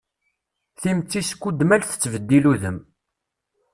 Timetti skudmal tettbeddil udem.